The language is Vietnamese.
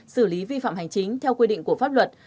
xử lý vi phạm hành chính theo quy định của pháp luật